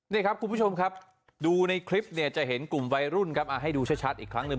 นี่ครับคุณผู้ชมครับดูในคลิปเนี่ยจะเห็นกลุ่มวัยรุ่นครับให้ดูชัดอีกครั้งหนึ่ง